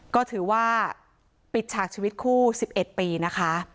ก็ถือว่าปิดฉากชีวิตคู่๑๑ปีนะคะ